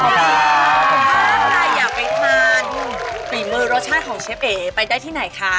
สำหรับใจอยากไปทาน